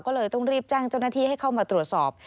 ก็เลยต้องรีบแจ้งเจ้าหน้าที่ให้เข้ามาตรวจสอบ